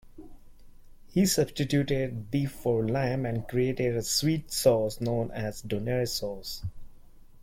He substituted beef for lamb and created a sweet sauce known as "donair sauce".